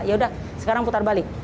yaudah sekarang putar balik